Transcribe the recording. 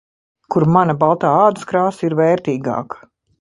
Kur ‘mana baltā ādas krāsa ir vērtīgāka’.